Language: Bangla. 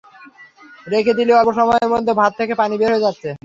রেখে দিলে অল্প সময়ের মধ্যে ভাত থেকে পানি বের হয়ে যাচ্ছে।